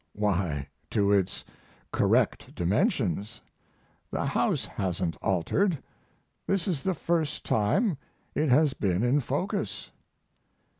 Why, to its correct dimensions; the house hasn't altered; this is the first time it has been in focus.